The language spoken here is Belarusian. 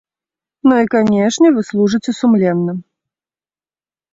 Ну, і, канечне, вы служыце сумленна.